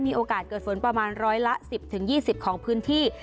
มีโอกาสเกิดฝนประมาณร้อยละ๑๐๒๐ของพื้นที่